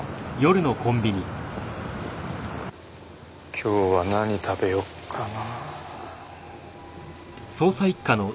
今日は何食べよっかな。